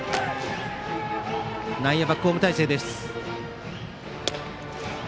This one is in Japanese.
内野、バックホーム態勢。